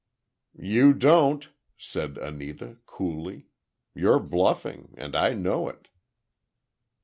"You don't," said Anita, coolly. "You're bluffing, and I know it."